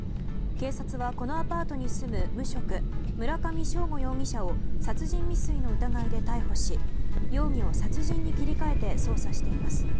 警察はこのアパートに住む無職、村上政悟容疑者を殺人未遂の疑いで逮捕し容疑を殺人に切り替えて捜査しています。